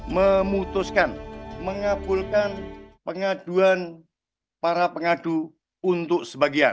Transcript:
memutuskan mengabulkan pengaduan para pengadu untuk sebagian